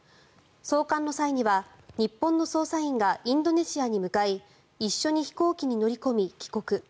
送還の際には、日本の捜査員がインドネシアに向かい一緒に飛行機に乗り込み帰国。